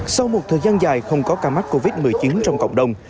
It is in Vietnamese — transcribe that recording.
sau một thời gian dài không có ca mắc covid một mươi chín trong cộng đồng